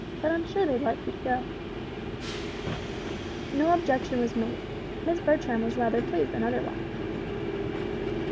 But I'm sure they'd like you to go." No objection was made. Miss Bertram was rather pleased than otherwise.